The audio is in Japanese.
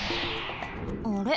あれ？